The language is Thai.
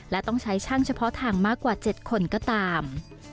และต้องใช้ช่างเฉพาะทางมากกว่า๗คนก็ตาม